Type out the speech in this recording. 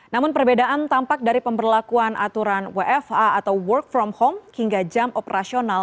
namun perbedaan tampak dari pemberlakuan aturan wfa atau work from home hingga jam operasional